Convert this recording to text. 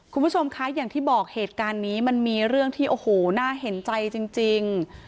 คุณผู้ชมคะอย่างที่บอกเหตุการณ์นี้มันมีเรื่องที่โอ้โหน่าเห็นใจจริง